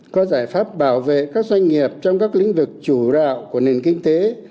có giải pháp bảo vệ các doanh nghiệp trong các lĩnh vực chủ đạo của nền kinh tế